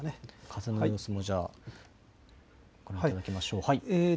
風の様子も、じゃあ、ご覧いただきましょう。